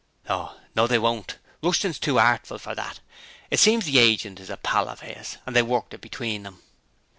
'Oh, no they won't, Rushton's too artful for that. It seems the agent is a pal of 'is, and they worked it between 'em.'